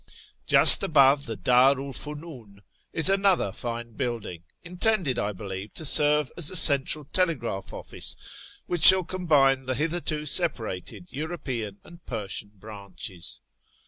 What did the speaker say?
Just above the Ddi^it 'l Fumbi is another fine building, intended, I believe, to serve as a Central Telegraph Office which shall combine the hitherto separated European and Persian branches.